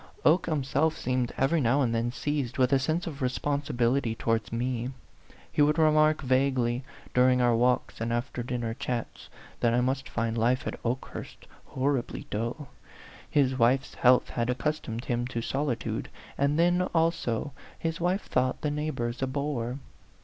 Oke himself seemed every now and then seized with a sense of responsibility towards me. He would remark vaguely, during our walks and after dinner chats, that I must find life at Okehurst horribly dull ; his wife's health had accustomed him to solitude, and then, also, his wife thought the neighbors a bore.